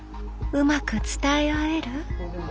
うまく伝え合える？